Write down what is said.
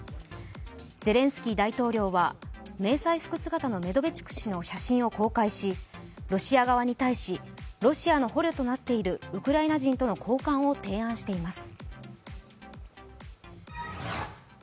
ゼレンスキー大統領は迷彩服姿のメドベチュク氏の写真を公開し、ロシア側に対し、ロシアの捕虜となっているウクライナ人との交換を提案しています。